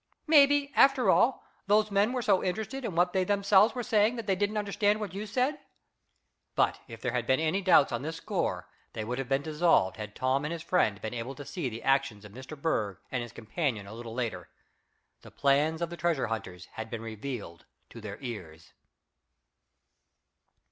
Maybe, after all, those men were so interested in what they themselves were saying that they didn't understand what you said." But if there had been any doubts on this score they would have been dissolved had Tom and his friend been able to see the actions of Mr. Berg and his companion a little later. The plans of the treasure hunters had been revealed to their ears.